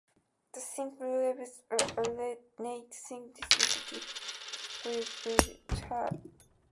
The simple leaves are alternate, singly or doubly serrate, feather-veined, petiolate and stipulate.